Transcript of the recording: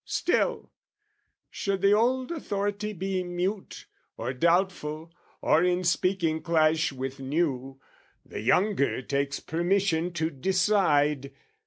Still, should the old authority be mute, Or doubtful, or in speaking clash with new, The younger takes permission to decide.